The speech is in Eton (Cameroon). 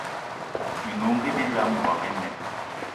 Menungi bilam, mboigi imen